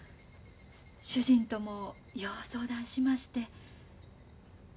主人ともよう相談しまして。